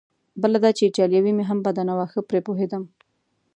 بله دا چې ایټالوي مې هم بده نه وه، ښه پرې پوهېدم.